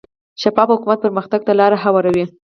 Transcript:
شفاف حکومت پرمختګ ته لار هواروي.